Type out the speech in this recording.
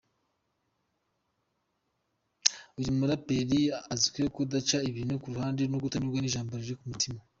Uyu muraperi azwiho kudaca ibintu kuruhande no kutanigwa n’ijambo rimuri ku mutima.